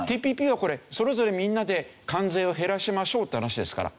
ＴＰＰはこれそれぞれみんなで関税を減らしましょうって話ですから。